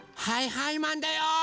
はいはいマンだよ！